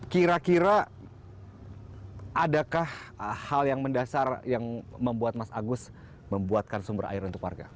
kira kira adakah hal yang mendasar yang membuat mas agus membuatkan sumber air untuk warga